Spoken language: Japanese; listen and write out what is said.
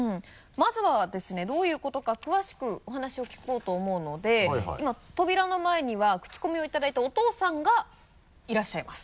まずはですねどういうことか詳しくお話を聞こうと思うので今扉の前にはクチコミをいただいたお父さんがいらっしゃいます。